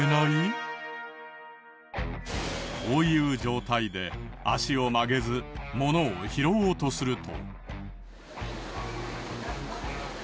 こういう状態で足を曲げず物を拾おうとすると。